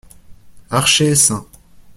Archer St.